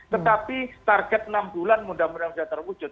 tetapi target enam bulan mudah mudahan bisa terwujud